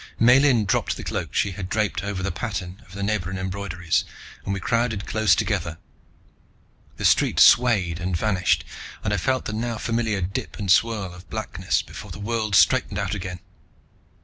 Miellyn dropped the cloak she had draped over the pattern of the Nebran embroideries, and we crowded close together. The street swayed and vanished and I felt the now familiar dip and swirl of blackness before the world straightened out again.